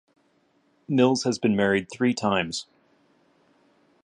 Mills has been married three times.